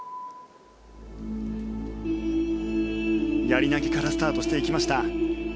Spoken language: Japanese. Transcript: やり投げからスタートしていきました。